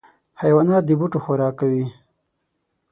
حیوانات د بوټو خوراک کوي.